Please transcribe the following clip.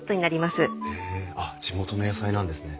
へえあっ地元の野菜なんですね。